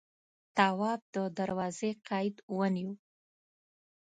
تواب د دروازې قید ونيو.